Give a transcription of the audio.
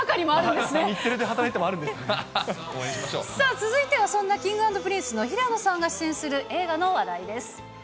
続いてはそんなＫｉｎｇ＆Ｐｒｉｎｃｅの平野さんが出演する映画の話題です。